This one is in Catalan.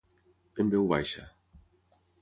En veu baixa.